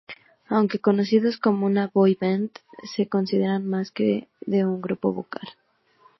Aunque conocidos como una boy band, se consideran más que de un grupo vocal.